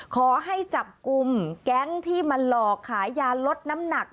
ขอให้จับกลุ่มแก๊งที่มาหลอกขายยาลดน้ำหนัก